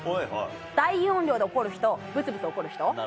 大音量で起こる人ブツブツ怒る人。